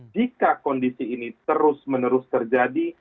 jika kondisi ini terus menerus terjadi